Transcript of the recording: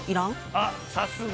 あっさすが。